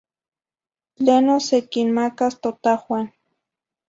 Tleno sequinmacas totahuan.